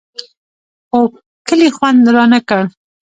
خو کلي خوند رانه کړ.